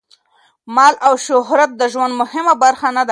مال او شهرت د ژوند مهمه برخه نه دي.